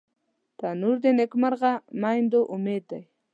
تنور د نیکمرغه میندو امید دی